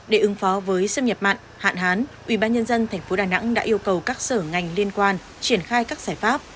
để ứng phó với xâm nhập mặn hạn hán ủy ban nhân dân tp đà nẵng đã yêu cầu các sở ngành liên quan triển khai các giải pháp